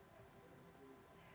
bagi pkb tidak mungkin